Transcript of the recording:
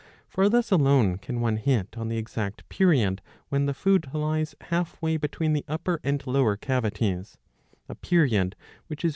For thus alone can one hit on the exact period when the food lies half way between the upper and lower cavities ; a period which is